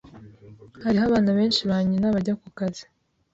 Hariho abana benshi ba nyina bajya kukazi.